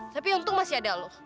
tapi untung masih ada loh